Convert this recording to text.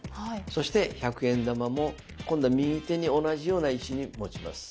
そして１００円玉も今度は右手に同じような位置に持ちます。